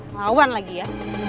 lawan lagi ya